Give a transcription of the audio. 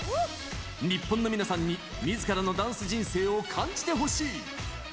日本の皆さんに、みずからのダンス人生を感じてほしい。